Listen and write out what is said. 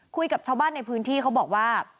คุยกับชาวบ้านในพื้นที่เขาบอกว่า